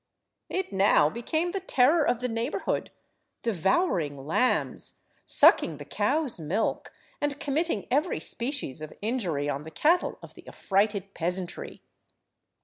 It now became the terror of the neighbourhood, devouring lambs, sucking the cow's milk, and committing every species of injury on the cattle of the affrighted peasantry.